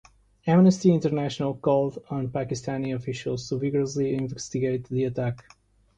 Amnesty International called on Pakistani officials to vigorously investigate the attack.